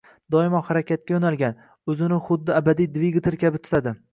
doimo harakatga yo‘nalgan, o‘zini xuddi abadiy dvigatel kabi tutadi.